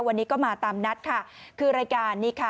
วันนี้ก็มาตามนัดค่ะคือรายการนี้ค่ะ